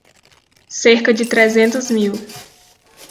Cerca de trezentos mil.